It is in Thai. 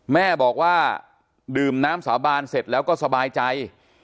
แม่บอกว่าดื่มน้ำสาบานเสร็จแล้วก็สบายใจ